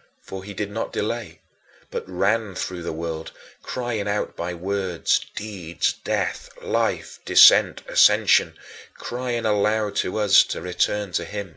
" For he did not delay, but ran through the world, crying out by words, deeds, death, life, descent, ascension crying aloud to us to return to him.